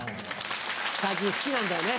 最近好きなんだよね